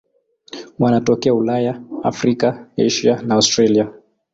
Wanatokea Ulaya, Afrika, Asia na Australia.